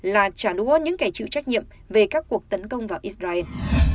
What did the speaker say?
là trả đũa những kẻ chịu trách nhiệm về các cuộc tấn công vào israel